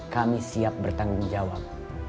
kami siap bertanggung jawab